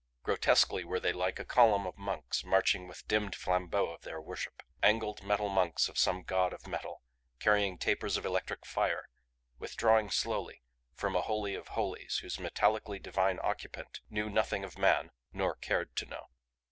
Grotesquely were they like a column of monks marching with dimmed flambeau of their worship. Angled metal monks of some god of metal, carrying tapers of electric fire, withdrawing slowly from a Holy of Holies whose metallically divine Occupant knew nothing of man nor cared to know.